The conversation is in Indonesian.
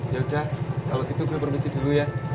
ya udah kalau gitu kita permisi dulu ya